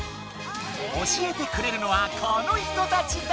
教えてくれるのはこの人たちだ！